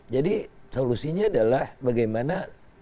jadi solusinya adalah bagaimana